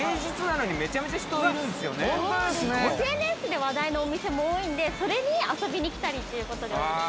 ◆ＳＮＳで話題のお店も多いんでそれに遊びに来たりということですね。